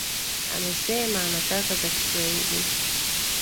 Amesema anataka za kiswahili